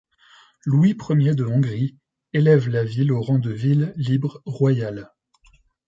Louis Ier de Hongrie élève la ville au rang de ville libre royale.